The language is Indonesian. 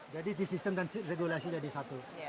jadi di sistem dan regulasi jadi satu